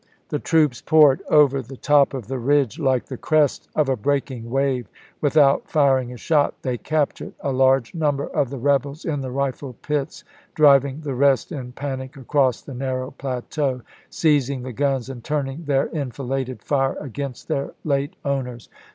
The troops poured over the top of the ridge like the crest of a breaking wave, without firing a shot. They captured a large number of the rebels in the rifle pits, driving the rest in panic across the narrow plateau, seizing the guns and tui'ning their enfilad ing fire against their late owners.